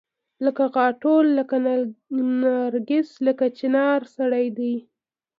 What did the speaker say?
لکه غاټول لکه نرګس لکه چنارسړی دی